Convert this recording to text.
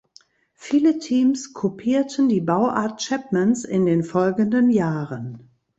Viele Teams kopierten die Bauart Chapmans in den folgenden Jahren.